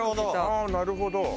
ああなるほど。